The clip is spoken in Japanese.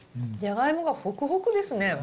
じゃがいもがほくほくですね。